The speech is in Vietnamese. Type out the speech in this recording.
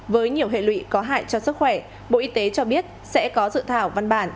với nhiều hệ lụy có hại cho sức khỏe bộ y tế cho biết sẽ có dự thảo văn bản